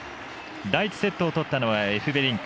第１セットを取ったのはエフベリンク。